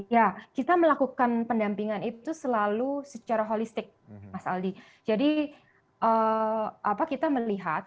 ya kita melakukan pendampingan itu selalu secara holistik mas aldi jadi apa kita melihat